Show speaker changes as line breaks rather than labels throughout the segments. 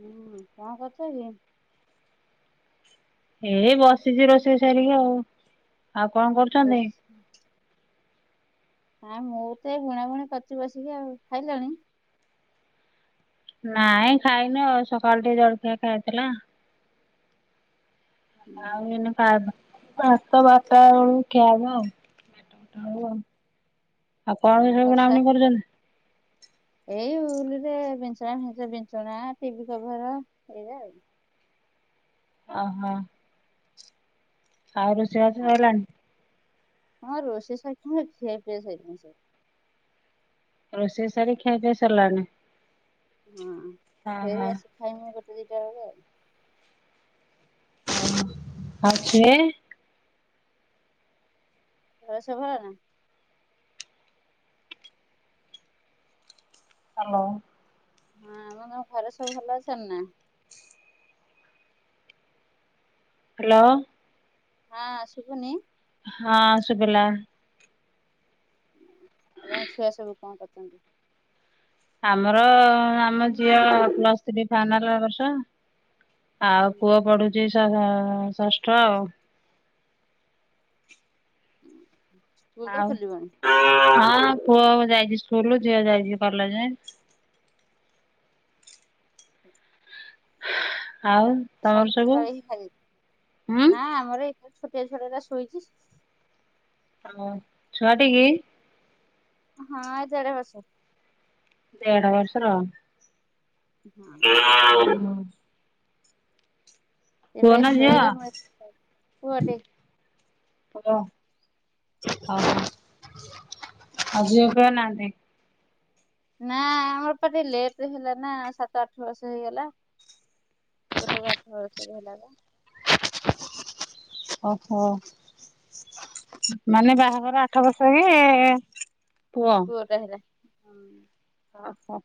ହୁଁ କଁ କରୁଛ କି?
ଏଇ ବସିଛି ରୋଷେଇ ସାରିକି ଆଉ ଆଉ କଣ କରୁଛନ୍ତି?
ହାଁ ମୁଁ ତ ଏ ବୁଣା ବୁଣି କରୁଛି ବସିକି ଆଉ ଖାଇଲଣି?
ନାଇଁ ଖାଇନି ଆଉ ସକାଳୁ ଟିକେ ଜଳଖିଆ ଖାଇଥିଲା। ଆଉ ଏଇନେ
ହୁଁ
ଖାଇନ? ବାରାଟା ବାରାଟା ବେଳୁକୁ ଖିଆ ହବ ଆଉ ବାରାଟା ବେଳୁକୁ ଆଉ। ଆଉ କଣ ସବୁ ବୁଣା
ବର୍ଷା
ବୁଣି କରୁଛନ୍ତି?
ଏଇ ଉଲୁରେ ବିଚଣା ଫିଚେ ବିଚଣା ଟିଭି କଭର ଏଇା ଆଉ।
ଓ ହୋ। ଆଉ ରୋଷେଇ ବାସ
ଆଉ କଣ
ହେଲାଣି?
ହଁ ରୋଷେଇ ସରିକି ଖିଆ ପିଆ ସଇଲାଣି ସବୁ।
ରୋଷେଇ ସାରି ଖିଆ ପିଆ ସିରିଲାଣି।
ହଁ ଫେର ଆସି ଖାଇମୁଁ ଗୋଟେ ଦିଟା ବେଳୁକୁ ଆଉ।
ଓ ହୋ ଆଉ ସିଏ।
ର ସଭା ନାହିଁ।
ହାଲୋ।
ହଁ ଆଉ କଁ ତମ ଘରେ ସବୁ ଭଲ ଅଛନ୍ତି ନା?
ହାଲୋ।
ହାଁ ଶୁଭୁନି?
ହାଁ ସୁଭିଲା।
ଆଉ ତମ ଛୁଆ ସବୁ କଣ କରୁଛନ୍ତି?
ଆମର ଆମ ଝିଅ ପ୍ଲସ୍ ଥ୍ରୀ ଫାଇନାଲ୍ ଏ ବର୍ଷ। ଆଉ ପୁଅ ପଢୁଛି ଷ ଷ ଆ ଷଷ୍ଠ ଆଉ।
[unintelligible] ସ୍କୁଲ ତ
ଆଉ
ଖୋଲିବଣି
ହଁ। ହଁ ପୁଅ ଯାଇଛି ସ୍କୁଲ ଝିଅ ଯାଇଛି କଲେଜ୍।
[unintelligible]
ଆଉ ତମର
ସମସ୍ତେ
ସବୁ
ଜଣେ ହିଁ ଖାଇନି
ହୁଁ
ନା ଆମର ଏ ସେ ଛୋଟିଆ ଛୁଆ ଟା ଶୋଇଛି।
ହଁ ଛୁଆ ଟିକି
ହଁ ଏ ଦେଢ଼ ବର୍ଷ।
ଦେଢ଼ ବର୍ଷର।
ହଁ।
ପୁଅ
ଏବେ
ନା ଝିଅ
ଶୋଇଲା ମୁଁ ଆଇଲି ପୁଅ ଟେ।
କୁହ ଓ ହୋ।
ହଁ
ଆଜି ଆଉ କିଏ ନାହାନ୍ତି?
ନାଁ ଆମର ପା ଟିକେ ଲେଟ୍ ରେ ହେଲା ନା ସାତ ଆଠ ବର୍ଷ ହେଇଗଲା ଗୋଟେ ପୁଅ ଆଠ ବର୍ଷରେ ହେଲା ବା।
ଓ ହୋ। ମାନେ ବାହାଘର ଆଠ ବର୍ଷରେ
ପୁଅଟେ ହେଲା ହୁଁ।
ଓ ହୋ।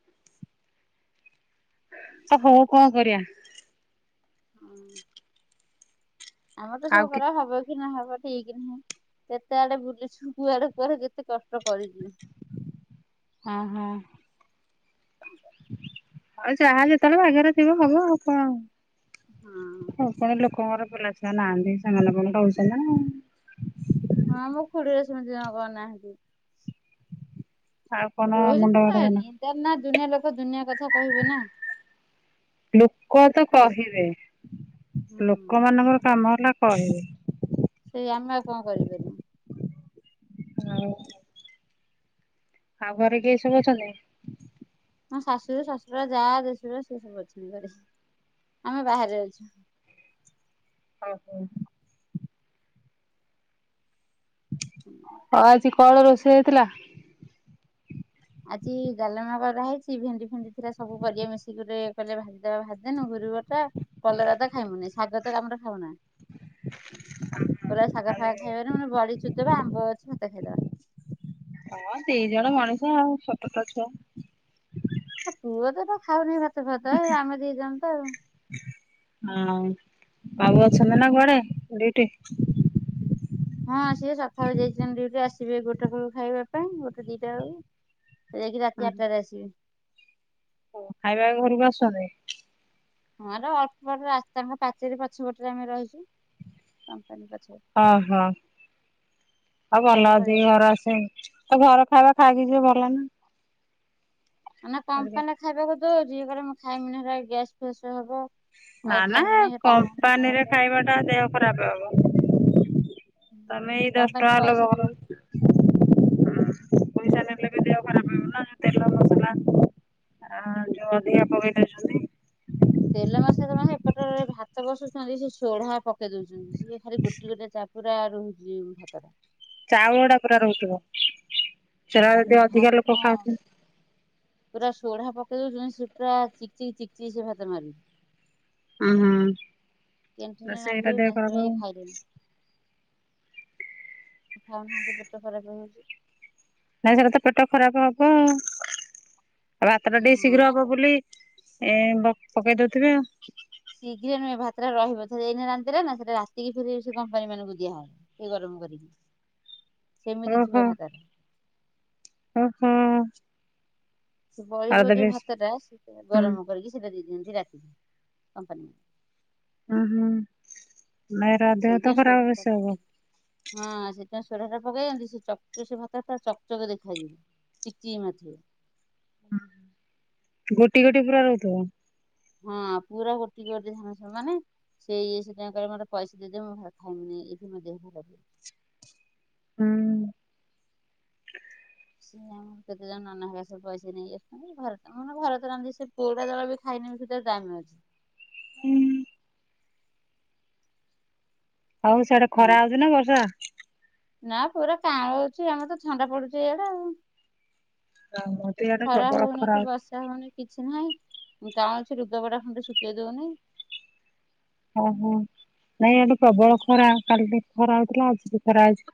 ଓହୋ କଣ କରିବା?
ହଁ। ଆମର ତ
ଆଉ
ସବୁ
କି
କରା ହବ ହବ ଠିକ ନାହିଁ କେତେ ଆଡେ ବୁଲିଛୁ କୁଆଡେ କୁଆଡେ କେତେ କଷ୍ଟ କରିଚି
ହଁ ହଁ ଆଉ ଯାହା ଯେତେବେଳେ ଭାଗ୍ୟ ରେ ଥିବ ହବ ଆଉ କଣ?
ହଁ।
ଆଉ ପୁଣି ଲୋକଙ୍କର ପିଲା ଛୁଆ ନିହାନ୍ତି ସେମାନେ ଫୁଣି ରୋହୁଛନ୍ତି ନା ହିଁ।
ହଁ ମୁଁ ଖୁଡିରେ ସେମିତି ଜଣ କରିନାହାନ୍ତି।
ଆଉ କଣ ମୁଣ୍ଡ
ରହୁଛନ୍ତି
ବାଡେଇବେ
ନି ନା [unintelligible] ଦୁନିଆ ଲୋକ ଦୁନିଆ କଥା କହିବେ ନା।
ଲୋକ ତ କହିବେ।
ହୁଁ।
ଲୋକମାନଙ୍କର କାମ ହେଲା କହିବେ।
ସେଇ ଆମେ ଆଉ କଣ କରିପାରିବୁ?
ହଁ। ଆଉ ଘରେ କିଏ ସବୁ ଅଛନ୍ତି?
ମୋ ଶାଶୁର ଶାଶୁର ଯାଆ ଦେଶୁରା ସେ ସବୁ ଅଛନ୍ତି ଘରେ। ଆମେ ବାହାରେ ଅଛୁ।
ଓ ହୋ। ହଁ ଆଜି କଣ ରୋଷେଇ ହେଇଥିଲା?
ଆଜି ଡାଲମା କରା ହେଇଛି ଭେଣ୍ଡି ଫେଣ୍ଡି ଥିଲା ସବୁ ପରିବା ମିଶିକି ଗୋଟେ କଲେ ଭାଦେବା ଭାଜିଦେନୁ [unintelligible] କଲରା ଖାଇମୁନି ଶାଗ ତ ଆମର ଖାଉନା ପୁରା ଶାାଗ ଫାାଗ ଖାଇବେ ମାନେ ବଡ଼ି [unintelligible] ବା ଆମ୍ବ ଅଛି [unintelligible] ଖାଇଦବା।
ହଁ ଦି ଜଣ ମଣିଷ ଛୋଟ ତ ଛୁଆ
ପୁଅ ତ ତ ଖାଉନି ଭାତ ଫାତ ଏଇ ଆମେ ଦିଇ ଜଣ ତ ଆଉ
ଆଉ ବାବୁ ଅଛନ୍ତି ନା କୁଆଡେ ଡ୍ୟୁଟି?
ଯିବେ ଗୋଟାଳ କୁ ଖାଇବା ପାଇଁ ଗୋଟେ ଦିଟା ବେଳ କୁ ଯାଇକି ରାତି ଆଠଟା ରେ ଆସିବେ।
ଓ ଖାଇବା ଘରକୁ ଆସୁଛନ୍ତି?
ହଁ ର ଅଳ୍ପତ ରାସ୍ତା ତାଙ୍କ ପାଚେରୀ ପଛପଟରେ ଆମେ ରହିଛୁ କମ୍ପାନୀ ପଛପଟେ।
ଓହୋ ଆଉ ଭଲ
ଖାଇବାକୁ ପଳେଇ
ଅଛି
ଆସିବ
ଘର ଆସେ ତ ଘର ଖାଇବା ଖାଇକି ଝିଅ ବାହାରିଲା ନା
ମାନେ କମ୍ପାନରେ ଖାଇବାକୁ ଦଉ ଯିଏ ୟେ କହିଲା ମୁଁ ଖାଇମି ହେ ଗ୍ୟାସ୍ ଫେସ୍ ହବ
ନା
ଆଉ
ନା
ଖାଇମିନି ସେ ପାଉଁରୁଟି
କମ୍ପାନୀରେ
ଭାତ
ଖାଇବା ଟା ଦେହ ଖରାପ ହବ। ତମେ ଏଇ ଦଶ
କମ୍ପାନୀ
ଟଙ୍କା
ପଇସା
ଲୋକ
ଦେଇ ଦଉଛି।
କରଁ। ହୁ ତେଲ
[unintelligible]
ଆ ଯୋଉ ଅଧିକା ପଗିନ ଅଛନ୍ତି।
ତେଲ ମସଲା ମାନେ ଏପଟରେ ଭାତ ବସୁଛନ୍ତି ସେ ସୋଢା ପକେଇ ଦଉଛନ୍ତି ସିଏ ଖାଲି ଗୋଟିକା ଗୋଟେ ଚା ପୁରା ରହୁଛି ଭାତ ଟା।
ଚାଉଳ ଟା ପୁରା ରହୁଥିବ? [unintelligible]
ଭାତ
ଅଧିକା ଲୋକ ଖାଉଛନ୍ତି।
ପୁରା ସୋଢା ପକେଇ ଦଉଛନ୍ତି ସେ ପୁରା ଚିକ ଚିକ ଚିକ ଚିକ ସେ ଭାତ ମାରି।
ହଁ ହଁ
କ୍ୟାଣ୍ଟିନରେ ନାଦି
ଦଶଟ
ଦଉଛନ୍ତି ସେଥିପାଇଁ
ଦେଖକୁ
ଇଏ ଖାଇଲେନି ଏଖା ହହାନ୍ତି ପେଟେ ଘରେକୁ ହେଜ।
ନାଇ ସେଟ ତ ପେଟ ଖରାପ ହବ। ଆଉ ଭାତ ଟା ଟିକେ ଶୀଘ୍ର
ହଁ
ହବ ବୋଲି ଏ ପକେଇ ଦଉଥିବେ ଆଉ।
ଶୀଘ୍ର ନୁହେ ଭାତଟ ରହିବଇନ ରାତିରେ ନା ସୋ ରାତିକ ଫ ସେ କମ୍ପାନୀ ମାନଙ୍କୁ ଦିଆହବ କରିବି।
ଓ ହୋ ଓ ହୋ।
ସେ ବଳିବ ଯୋଉ ଭାତ ଟା ସେ
ହୁଁ
ଗରମ କରିକି ସେଟା ଦେଇ ଦିଅନ୍ତୁ। ଜି ରାତି କମ୍ପାନୀ।
ଉଁ ହୁଁ ମରା ଦେହ ତ
ସେଇଥିପାଇଁ
ଖରାପ ବେଶୀ ହବ।
ସୋଢା ଟା ପକେଇାନ୍ତି ସେ ଚକଚ ସେ ଭାତତା ଟା ଚକଚକ ଦେଖାଯିବ ଚିକି ମଥିବ
ଗୋଟି ଗୋଟିଏ ପୁରା ରହୁଥିବ
ହଁ ପୁରା ଗୋଟ ଗୋଟେ ଧାନ ମାନେ ସେଇ ଇଏ ସୋ ମୋେ ପଇସା ଦେଇଦେବ ମୁଁ ଖାଇମୁନି ଏଥି ମଧ୍ୟ ଦେ ଲ
ହୁଁ
ସିଏ ଆମର କେତେ ଜଣ ନ ହୋ ସ ପଇସ ନେଇ ଘ ମ ଘରେ ରାନ୍ଧି ସେ ପୋଉଡା ଜଳ ବି ଖାଇନେ ଧା ଜାାମ ଅଛି
ହୁଁ ହଉ ସେଆଟା
ହୁଁ
ଖରା ହଉଛି ନା ବର୍ଷା
ନା ପୁରା କାମ ହଉଛି ଆମର ତ ଥଣ୍ଡା ପଡୁଛି ଏଇଆଡା ଆଉ
ଆମ ତ ଇଆଡେ
ଖରା
ପ୍ରବଳ
ହଉନି କି
ହଉଛି
ବର୍ଷା ହଉନି କିଛି ନାଇଁ କାମଣ ଅଛଛି ରୁଗାପଡ଼ା ଏ ଖ ଟା ଶୁକି ଦଉନି
ଓହୋ ନାଇଁ ଏଠୁ ପ୍ରବଳ ଖରା କାଲି ହରାଉଥିଲଥିଲା ଆଜି ଖରାଜ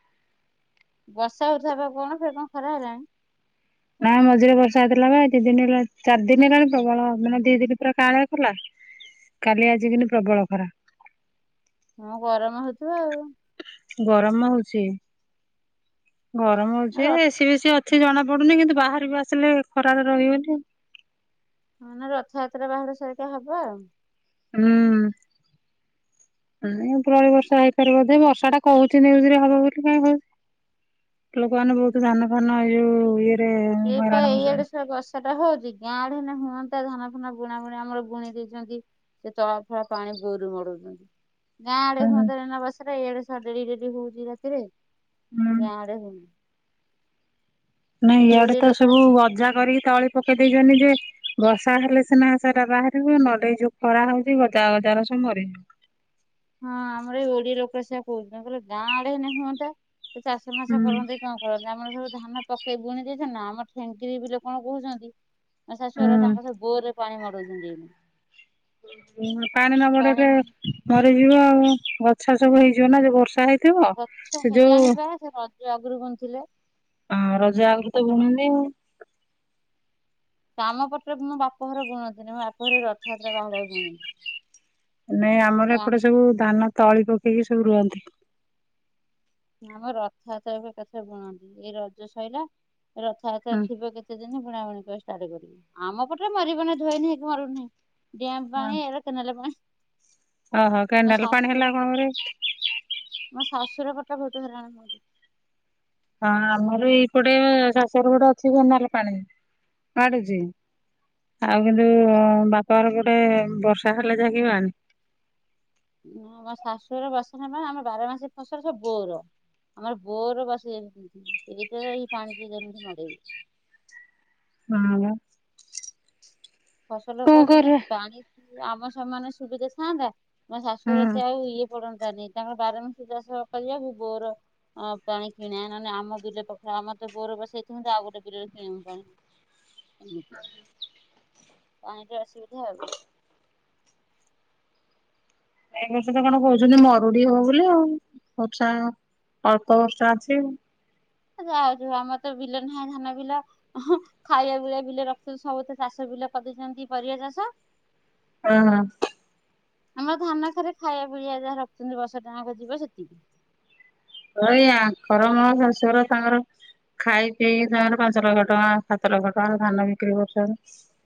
ବର୍ଷା ହଉଥିବା ବା କଣ ଫ କଣ ଖରା ହେଲାଣି
ନା ମଝିରେ ବର୍ଷା ହେଇଥିଲା ବା ଦି ଦିନ ହେଲା ଚାରି ଦିନ ହେଲାଣି ପ୍ରବଳ ମାନେ ଦି ଦିନ ପୁରା କାଳେ ଖଲା
ହ
କାଲି ଆଜି କିିନି ପ୍ରବଳ ଖରା
ହଁ ଗରମ ହଉଥିବ ଆଉ
ଗରମ ହଉଚି ଗରମ ହଉଛି
ର
ଏସି ବିସିି ଅଛି ଜଣା ପଡୁନି କିନ୍ତୁ ବାହାର ବି ଆସ ଆସିଲେ ଖରା ତ ରହିବନି
ମାନ ରଥଯାତ୍ରା ବାହାର ସାରିକା ହବ ଆଉ
ହୁଁ ପ୍ରଳ ବର୍ଷା ହେଇପାରିବ ବଧେ ବର୍ଷା ଟା କହୁଛି ନଉରେ ହବ ବୋଲି କାଇ କହୁଛି ଲୋକ ମାନେ ବହୁତ ଧାନ ଫାନ ଏଇ ଯଉ
ସେଇପ ଏଇଆଡେ ସେ ବର୍ଷା ଟା ହଉଛି ଗାଁ ଡେେ ହୁଅନ୍ତା ଧାନ ଫାନ ବୁଣା ବୁଣି ଆମର ବୁଣି ଦେଇଛନ୍ତି ସେ ତଳା ଫଳ ପାଣି ଗୋରୁ ହ ଗାଁ ଆଡେ
ହୁଁ
ହୁଅନ୍ତ ନବାସିଲା ଏଇଆଡେ ଡେରି ଡେରି ହଉଛି ରାତିରେ
ହୁଁ।
ଡେ ହ
ନାଇଁ ଇଆଡେ ତ
ଲୋକ
ସବୁ
ଆସିକି
ଗଜା କରିକି ତଳି ପକେଇ ଦେଇଛନ୍ତିଛନ୍ତି ଯେ ବର୍ଷା ହେଲେ ସିନାସା ବାହାରିବ ନଲେେଇ ଯଉ ଖରା ହଉଛି ଗଜା ଗଜାର ସବୁ ମରିଯିବ
ହଁ ଆମର ଏଇ ଓଡିଆ ଲୋକଟ ସେଆ କହୁଛନ୍ତି କହିଲଲେ ଗାଁ ଆଡେ ହୁଅନ୍ତା ସେ ଚାଷ ମାସ କରନ୍ତି କଣ କରନ୍ତି ଆମର ସବୁ ଧାନ ପକେଇ ବୁଣି ଦେଇେଇଛନ୍ତି ନା ଠେଙ୍କିର ବ କଣ କହୁଛନ୍ତି ଶାଶୁଆର
ହୁଁ
ତାଙ୍କ ସହ ବୋର ରେ ପାଣି ମଡଉଛନ୍ତି
ପାଣି ନ ବଡେଇଲେ ିବ ଆଉ ଗଛା ସବୁ ହେଇଯିବ ନା ବର୍ଷା ହେଇ
ଗଛ ହେଲାଣି ବା ସେ ରଜ ଅଗ୍ର
ଆ ରଜ ଆଗରୁ ତ ବୁଣିଲୁ।
ଆମ ପଟରେ ମୋ ବାପଘର ଗୁଣନ୍ତିନି ମୋ ବାପ ଘରେ ରଥଯାତ୍ରା ବାହୁଡ଼ାରେ ଗୁଣନ୍ତି।
ନାଇଁ ଆମର ଏପଟେ ସବୁ ଧାନ ତଳି ପକେଇକି ସବୁ ରୁହନ୍ତି।
ଆମ ରଥଯାତ କଥା ବୁଣନ୍ତି ଏଇ ରଜ ସଇଲା। ରଥଯାତ୍ରା ଥିବ କେତେ ଦିନ ବୁଣାବୁଣି କର ଆମ ପଟରେ ମାରିବ ନି ଧୋଇନ ନାହିଁ ମରୁଡ଼ି ନାହିଁ ଡମ୍ ପାଣି ଏ କେନାଲ ପାଣି
ଓହୋ
ମୋ
କେନାଲ ପାଣି ହେଲା
ଶାଶୁର
କଣ
ପଟେ ମୋ
କରେ
[unintelligible]
ହଁ ଆମର ଏଇପଟେ ଶାଶୁର ଗୋଡେ ଅଛି କେନାଲ ପାଣି। ଆଡୁଛି ଆଉ କିନ୍ତୁ ବାପାର ପଟେ ବର୍ଷା ହେଲେ ଜଗିବନି।
ଆମ ଶାଶୁର ବାସନ ପାଇ ଆମ ବାର ମାସୀ ଫସଲ ସବୁ ବୋର। ଆମର ବୋର ବସେଇ ଯାଇଛନ୍ତି ସେଇଟାଇ ପାଣି ଯିଏ ଯେମିତି ମଡ଼େଇବେ।
[unintelligible]
ଫସଲ
କଣ
କରିଛନ୍ତି
କରିବା?
ପାଣି ଆମ ସମାନେ ସୁବିଧା ଥାଆନ୍ତା ଆମ
ହୁଁ।
ଶାଶୁଘରେ ଏତେ ଆଉ ଇଏ ପଡତାନି ତାଙ୍କର ବାର ମାସ ଚାଷ କରିବାକୁ ବୋର ଅ ପାଣି କିଣା ନହେଲେ ଆମ ବିଲେ ପଖା- ଆମର ତ ବୋର ବସେଇ ଥାନ୍ତୁ ଆଉ ଗୋଟେ ବିିଲ [unintelligible] ଏମତି ପାଣିରେ ଅସୁବିଧା ଆଉ।
ଏ ବର୍ଷତ କଣ କହୁଛନ୍ତି ମରୁଡି ହବ ବୋଲି ଆଉ ବର୍ଷା [unintelligible] ବର୍ଷ ଅଛି।
ଆମର ତ ବିଲ ନାହିଁ ଧାନ ବିଲ ଖାଇବା ପିଇବା ବିଲ ରଖୁଛନ୍ତି ସବୁ ତ ଚାଷ ବିଲ ରେ କରିଦେଇଛନ୍ତି ପରିବା ଚାଷ
ହଁ ହଁ
ଆମ ଧାନ ଖରେ ଖାଇବା ପିଇବା ଯାହା ରଖିଛନ୍ତି ବର୍ଷ ଟା ଯାକ ଯିବ ସେତିକି।
ଏଇ ଆଙ୍କର ମୋ ଶାଶୂଘର ତାଙ୍କର। ଖାଇ ପିଇ ସେମାନେ ପାଞ୍ଚ ଲକ୍ଷ ଟଙ୍କା ସାତ ଲକ୍ଷ ଟଙ୍କା ଧାନ ବିକ୍ରି କରୁଛନ୍ତି।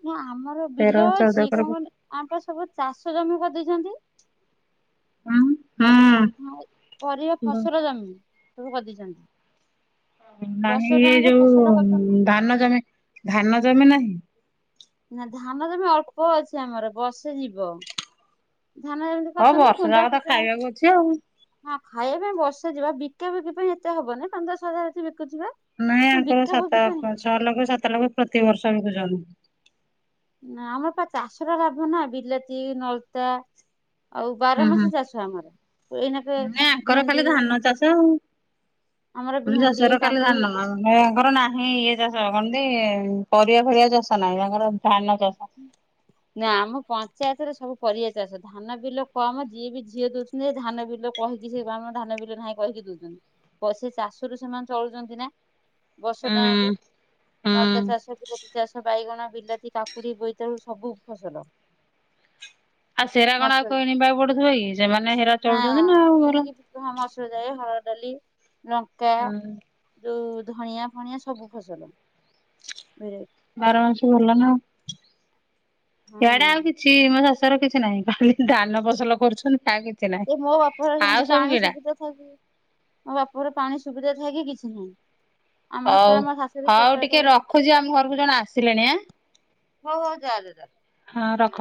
ନା ଆମର
ତେର
ବିଲ
ଚଉଦ
ଅଛି
ଏକର ହୁଁ
କଣ କ ଆମ ସବୁ ଚାଷ ଜମି କରିଦେଇଛନ୍ତି।
ହୁଁ।
ପରିବା ଫସଲ ଜମି ସବୁ କରିଦେଇଛନ୍ତି।
ନାହିଁ
ବର୍ଷ
ଏ
ଟାଙ୍କେ
ଯୋଉଁ
ଫସଲ କରିଛନ୍ତି
ଧାନ ଜମି ଧାନ ଜମି ନାହିଁ।
ନା ଧାନ କିନ୍ତୁ ଅଳ୍ପ ଅଛି ଆମର ବର୍ଷେ ଯିବ। ଧାନ ଏମିତି
ହଁ
କରିଛନ୍ତି
ବର୍ଷ
କୁନ୍ଡ଼ା
ଯାକ ତ
ଫୁଟା,
ଖାଇବାକୁ ଅଛି ଆଉ।
ହ ଖାଇବା ପାଇଁ ବର୍ଷା ଯିବା ବି [unintelligible] ଏତେ ହବନା ପାଞ୍ଚ ଦଶ ହଜାର [unintelligible]
ନାଇଁ ଆଙ୍କର
ବିକା
ସାତ
ବିକି ପାଇଁ ନାହିଁ।
ଛଅ ଲକ୍ଷ ସାତ ଲକ୍ଷ ପ୍ରତିିବର୍ଷ ବି ବିକୁଛନ୍ତି।
ନା ଆମର ପା ଚାଷର ଲାଭ ନା ବିଲାତି ନଳିତା ଆଉ ବାର
ହୁଁ ହୁଁ।
ମାସି ଚାଷ ଆମର, ଏଇନାକେ
ନାଇଁ ଆଙ୍କର ଖାଲି
ଭେଣ୍ଡି
ଧାନ ଚାଷ ଆଉ।
ଆମର
[unintelligible]
ଭେଣ୍ଡି
ନାହିଁ ଇଏ
କାକୁଡି
ଚାଷ ରହନ୍ତି ପରିବା ଫରିବା ଚାଷ ନାହିଁ ତାଙ୍କର ଧାନ ଚାଷ।
ନା ଆମ ପଞ୍ଚାୟତ ସବୁ ପରିବା ଚାଷ ଧାନ ବିଲ କମ ଯିଏ ବି ଝିଅ ଦଉଛନ୍ତି ଧାନ ବିଲ କହିକି ସେ ଧାନ ବିଲ ନାହିଁ କହିକି ଦଉଛନ୍ତି କ ସେ ଚାଷରୁ ସେମାନେ ଚଳୁଛନ୍ତି ନା। ବର୍ଷ
ହୁଁ
ଟାଙ୍କେ ନଳିତା
ହୁଁ
ଚାଷ ବିଲାତି ଚାଷ ବାଇଗଣ ବିଲାତି କାକୁ କାକୁଡ଼ି ବୋଇତାଳୁ ସବୁ ଫସଲ।
ଆଉ ସେରା କଣ
ମସୁର
ଆଉ [unintelligible] କି ସେମାନେ ହେରା ଚଳୁଛନ୍ତି ନା ଆଉ ଭଲ
ଲି ଲଙ୍କା
ହୁଁ।
ଯୋଉଁ ଧଣିଆ ଫଣିଆ ସବୁ ଫସଲ
ବାର ମାସି ଭଲ ନା
ହଁ
ଆଡେ ଆଉ କିଛି ମୋ ଶା ତାର କିଛି ନାଇଁ ଖାଲି ଧାନ ଫସଲ କରୁଛନ୍ତି ତା କି
ସେ ମୋ ବାପଘର ଯେମିତି ପାଣି ସୁବିଧା ଥାଇକି ବି ମୋ ବାପାର ପାଣି ସୁବିଧା ଥାଇକି କିଛି ନାହିଁ। ଆମ
ହଉ
ଶଳା ମୋ ଶାଶୁ ବି
ହଉ
ସକାଳେ
ଟିକେ ରଖୁଛି ଆମ ଘରକୁ ଜଣ ଆସିଲେଣି ଆଁ
ହଁ ହଉ ଯା
ହଁ ରଖ।